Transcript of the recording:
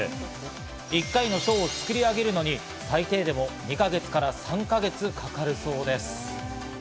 一回のショーを作り上げるのに最低でも２か月から３か月はかかるそうです。